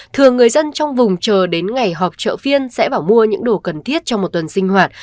thường người dân trong vùng chờ đến ngày họp chợ phiên sẽ bỏ mua những đồ cần thiết trong một tuần sinh hoạt